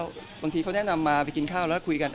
บางทีเขาแนะนำมาไปกินข้าวแล้วคุยกัน